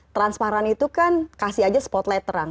transparan itu kan kasih aja spotlight terang